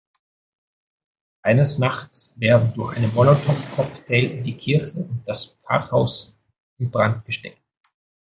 Eines Nachts werden durch einen Molotowcocktail die Kirche und das Pfarrhaus in Brand gesteckt.